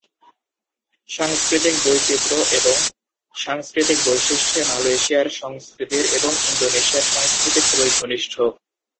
সাংস্কৃতিক বৈচিত্র এবং সাংস্কৃতিক বৈশিষ্ট্যে মালয়েশিয়ার সংস্কৃতির এবং ইন্দোনেশিয়ার সংস্কৃতি খুবই ঘনিষ্ঠ।